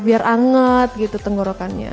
biar anget gitu tenggorokannya